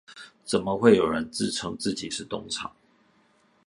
怎麼會有人自稱自己是東廠？